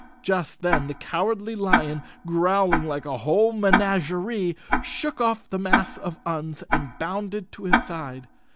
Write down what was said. Just then the Cow¬ ardly Lion, growling like a whole menagerie, shook off the mass of Uns and bounded to his side.